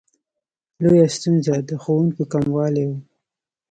لویه ستونزه د ښوونکو کموالی و.